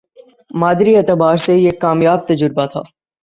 مادی اعتبار سے یہ ایک کامیاب تجربہ تھا